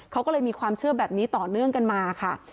เขาก็เลยมีความเชื่อแบบนี้ต่อเนื่องกันมาค่ะ